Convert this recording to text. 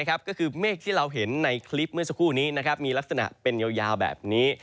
ก็คือเมฆที่เราเห็นในคลิปเมื่อสักครู่นี้มีลักษณะเป็นยาวแบบนี้